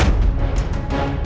ini sudah berubah